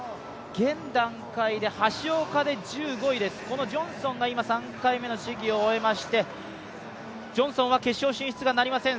現段階で橋岡で１５位ですジョンソンが今、３回目の試技を終えましてジョンソンは決勝進出がなりません。